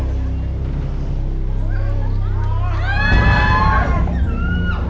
สวัสดีครับ